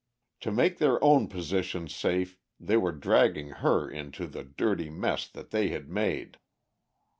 To make their own positions safe they were dragging her into the dirty mess that they had made.